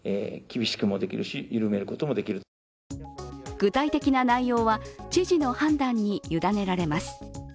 具体的な内容は知事の判断に委ねられます。